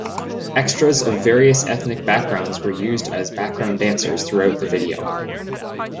Extras of various ethnic backgrounds were used as background dancers throughout the video.